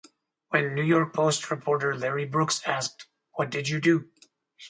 When "New York Post" reporter Larry Brooks asked "What did you do?